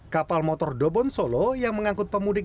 kapal motor dobon solo yang mengangkut pemudik